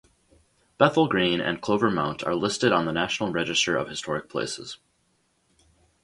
Bethel Green and Clover Mount are listed on the National Register of Historic Places.